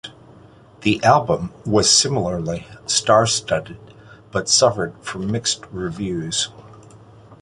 The album was similarly star-studded but suffered from mixed reviews.